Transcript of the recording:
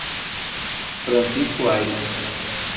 Francisco Ayres